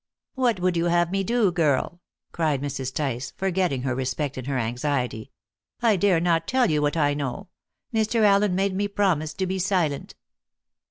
"What would you have me do, girl?" cried Mrs. Tice, forgetting her respect in her anxiety. "I dare not tell you what I know. Mr. Allen made me promise to be silent."